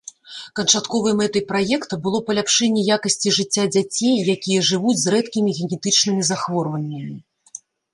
Канчатковай мэтай праекта было паляпшэнне якасці жыцця дзяцей, якія жывуць з рэдкімі генетычнымі захворваннямі.